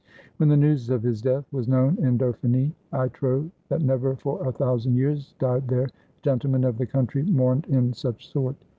When the news of his death was known in Dauphiny, I trow that never for a thousand years died there gen tleman of the country mourned in such sort.